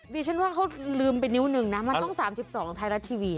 บีฉันว่าเขาลืมเป็นนิ้วหนึ่งนะมันต้องสามสิบสองของท้ายรัฐทีวี